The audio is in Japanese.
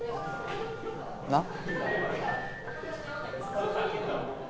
なっ？